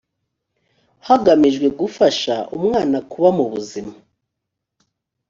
hagamijwe gufasha umwana kuba mu buzima